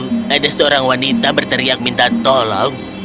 kalau ada seorang wanita berteriak minta tolong